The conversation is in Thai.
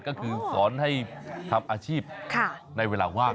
ก็คือสอนให้ทำอาชีพในเวลาว่าง